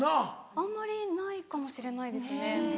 あんまりないかもしれないですね。